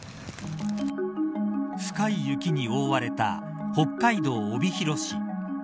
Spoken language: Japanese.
深い雪に覆われた北海道帯広市。